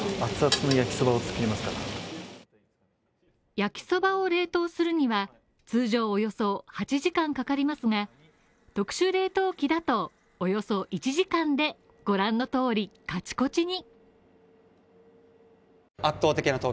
焼きそばを冷凍するには、通常およそ８時間かかりますが、特殊冷凍機だとおよそ１時間で、ご覧の通り、カチコチに。